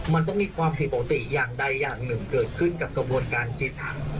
มันต้องมีความผิดปกติอย่างใดอย่างหนึ่งเกิดขึ้นกับกระบวนการคิด